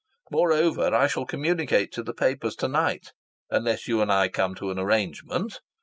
Moreover, I shall communicate it to the papers to night unless you and I come to an arrangement.